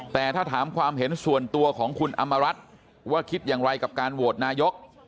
แต่ถ้าถามความเห็นส่วนตัวของคุณอำมารัฐว่าคิดอย่างไรกับการโหวตนายก